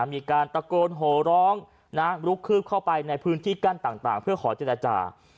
มีการตะโกนโหร้องลุกคืบเข้าไปในพื้นที่กั้นต่างเพื่อขอเจรจา